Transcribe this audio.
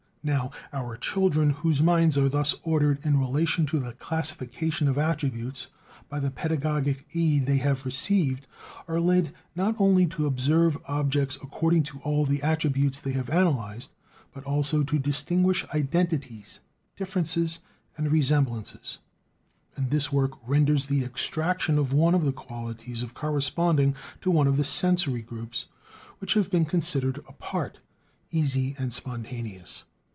Now our children, whose minds are thus ordered in relation to the classification of attributes by the pedagogic aid they have received, are led, not only to observe objects according to all the attributes they have analyzed, but also to distinguish identities, differences, and resemblances; and this work renders the extraction of one of the qualities corresponding to one of the sensory groups which have been considered apart, easy and spontaneous.